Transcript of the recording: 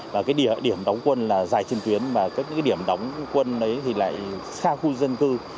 và cái điểm đóng quân là dài trên tuyến và cái điểm đóng quân ấy thì lại xa khu dân cư